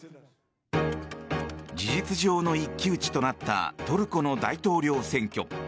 事実上の一騎打ちとなったトルコの大統領選挙。